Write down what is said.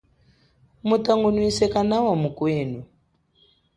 Mutangunwise kanawa mukwenu.